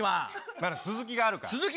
まだ続きがあるから。